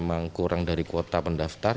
memang kurang dari kuota pendaftar